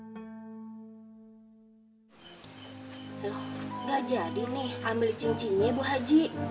loh gak jadi nih ambil cincinnya ibu haji